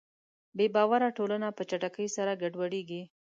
بېباوره ټولنه په چټکۍ سره ګډوډېږي.